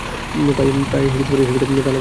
প্রায় এসে গেছ, পালাও, কোনরকম!